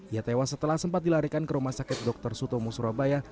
ia tewas setelah sempat dilarikan ke rumah sakit dr sutomo surabaya